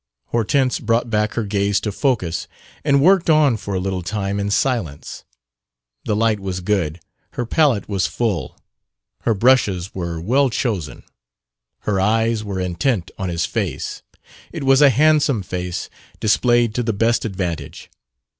Hortense brought back her gaze to focus and worked on for a little time in silence. The light was good, her palette was full, her brushes were well chosen, her eyes were intent on his face. It was a handsome face, displayed to the best advantage.